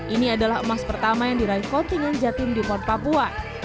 ini adalah emas pertama yang diraih kontingen jatim di pon papua